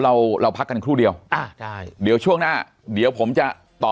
เราเราพักกันครู่เดียวอ่าใช่เดี๋ยวช่วงหน้าเดี๋ยวผมจะต่อ